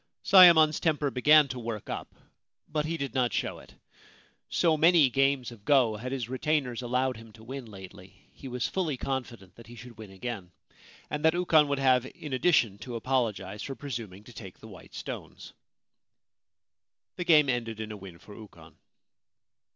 Sayemon's temper began to work up ; but he did not show it. So many games of go had his retainers allowed him to win lately, he was fully confident that he should win again, and that Ukon would have in addition to apologise for presuming to take the white stones. The game ended in a win for Ukon.